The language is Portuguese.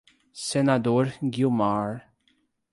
Senador Guiomard